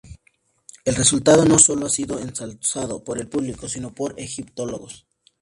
El resultado no sólo ha sido ensalzado por el público, sino por egiptólogos.